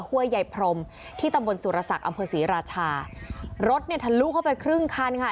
ห้วยใยพรมที่ตำบลสุรศักดิ์อำเภอศรีราชารถเนี่ยทะลุเข้าไปครึ่งคันค่ะ